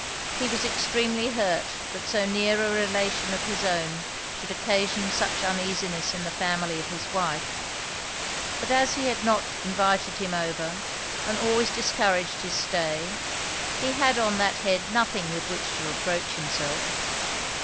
He was extremely hurt that so near a relation of his own should occasion such uneasiness in the family of his wife; but as he had not invited him over, and always discouraged his stay, he had on that head nothing with which to reproach himself.